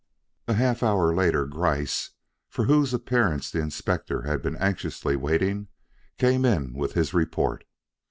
A half hour later, Gryce, for whose appearance the Inspector had been anxiously waiting, came in with his report.